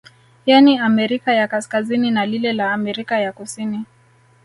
Yani Amerika ya kaskazini na lile la Amerika ya kusini